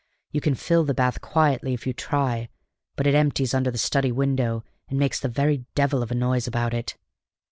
You can fill the bath quietly if you try, but it empties under the study window, and makes the very devil of a noise about it.